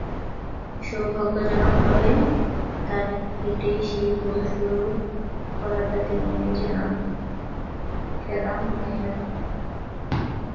সৌভাগ্যজনকভাবে তাঁর হিটেই সেই ভুল শুরু করাটা তিনি নিজে নন, কেমার হাইম্যান।